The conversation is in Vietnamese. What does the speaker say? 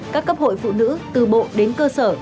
các cấp hội phụ nữ từ bộ đến cơ sở